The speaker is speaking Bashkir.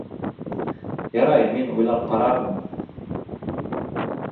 Ярай, мин уйлап ҡарармын!